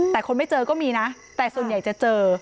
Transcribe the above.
แต่คนไม่เจอก็มีนะแต่ส่วนใหญ่จะเจอ